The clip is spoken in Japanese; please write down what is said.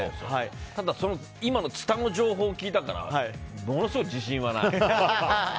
ただ今のツタの情報を聞いたからものすごい自信はない。